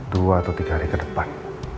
dua atau tiga hari ke depan